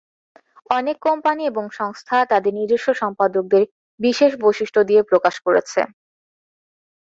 অনেক কোম্পানি এবং সংস্থা তাদের নিজস্ব সম্পাদকদের বিশেষ বৈশিষ্ট্য দিয়ে প্রকাশ করেছে।